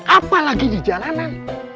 apalagi di jalanan